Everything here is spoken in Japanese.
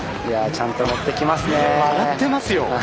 いやちゃんと乗ってきますね。